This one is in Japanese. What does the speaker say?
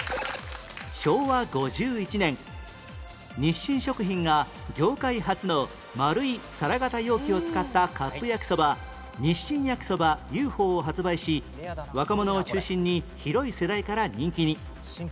昭和５１年日清食品が業界初の丸い皿型容器を使ったカップ焼きそば日清焼そば Ｕ．Ｆ．Ｏ． を発売し若者を中心に広い世代から人気に